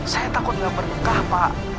saya takut nggak berdekah pak